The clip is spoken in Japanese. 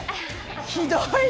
ひどい。